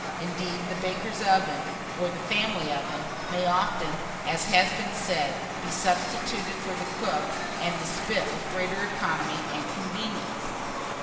Indeed, the baker's oven, or the family oven, may often, as has been said, be substituted for the cook and the spit with greater economy and convenience.